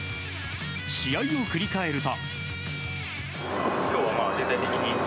試合を振り返ると。